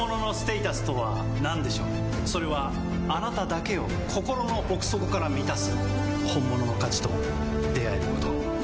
それはあなただけを心の奥底から満たす本物の価値と出会える事。